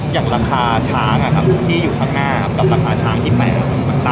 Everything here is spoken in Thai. อย่างราคาช้างอ่ะครับที่อยู่ข้างหน้าครับกับราคาช้างที่แหม่มันต่างกันมาก